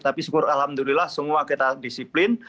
tapi syukur alhamdulillah semua kita disiplin